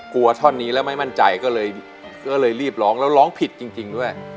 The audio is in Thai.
ท่อนนี้แล้วไม่มั่นใจก็เลยรีบร้องแล้วร้องผิดจริงด้วย